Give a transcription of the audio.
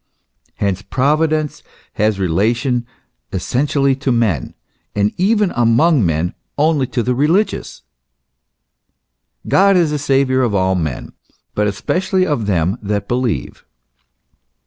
Hence Providence has relation essentially to men, and even among men only to the religious. " God is the Saviour of all men, but especially of them that believe."